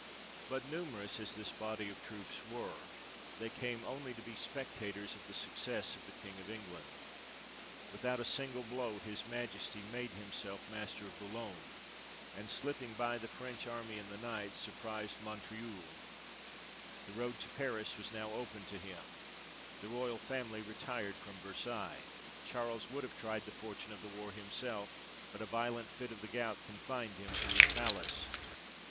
But numerous as this body of troops were, they came only to be spectators of the success of the King of England. Without a single 28 THE REIGN OF GEORGE VI. blow his Majesty made himself master of Boulogne, and, slipping by the French army in the night, surprised Montreuil. The road to Paris was now open to him ; the Royal family retired from Versailles ; Charles would have tried the fortune of the war himself, but a violent fit of the gout confined him to his palace.